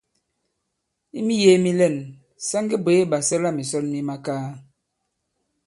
I miyēē mi lɛ̂n, sa ŋge bwě ɓàsɛlamìsɔn mi makaa.